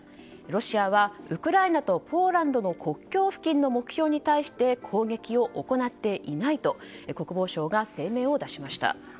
ロシアはウクライナとポーランドの国境付近の目標に対して攻撃を行っていないと国防省が声明を出しました。